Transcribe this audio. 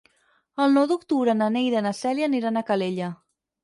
El nou d'octubre na Neida i na Cèlia aniran a Calella.